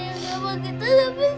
ibu jangan yakin